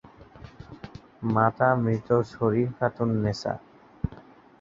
মাতা মৃত শরিফাতুন্নেসা।